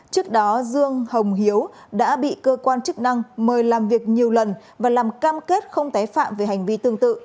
trước đó dương hồng hiếu đã bị cơ quan chức năng mời làm việc nhiều lần và làm cam kết không tái phạm về hành vi tương tự